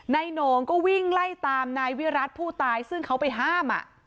โหน่งก็วิ่งไล่ตามนายวิรัติผู้ตายซึ่งเขาไปห้าม